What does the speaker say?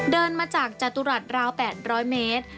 เดินมาจากจตุรัสราว๘๐๐เมตร